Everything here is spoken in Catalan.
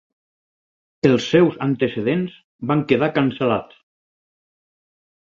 Els seus antecedents van quedar cancel·lats.